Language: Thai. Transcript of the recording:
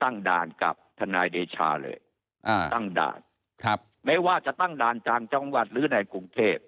ด่านกับทนายเดชาเลยอ่าตั้งด่านครับไม่ว่าจะตั้งด่านต่างจังหวัดหรือในกรุงเทพ